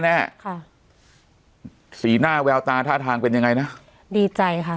แน่ค่ะสีหน้าแววตาท่าทางเป็นยังไงนะดีใจค่ะ